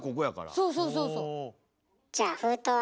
そうそうそうそう。